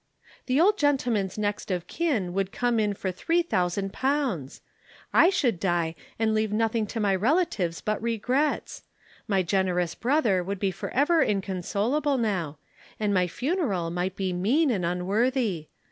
_ "The old gentleman's next of kin would come in for three thousand pounds! I should die and leave nothing to my relatives but regrets; my generous brother would be forever inconsolable now, and my funeral might be mean and unworthy.